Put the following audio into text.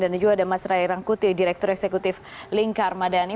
dan juga ada mas ray rangkuti direktur eksekutif lingkar madani